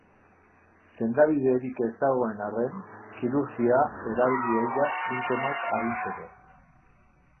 Sendabiderik ez dagoen arren, kirurgia erabili ohi da sintomak arintzeko.